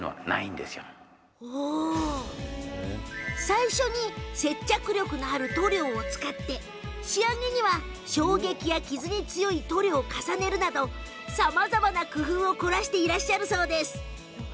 最初に接着力のある塗料を使って仕上げには衝撃や傷に強い塗料を重ねるなど工夫を凝らしていらっしゃるそうです。